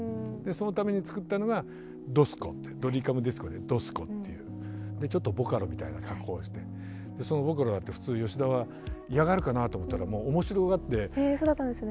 そのために作ったのが「ＤＯＳＣＯ」ってドリカムディスコでＤＯＳＣＯっていうちょっとボカロみたいな加工をしてそのボカロだって普通吉田は嫌がるかなと思ったらもう面白がって。へそうだったんですね。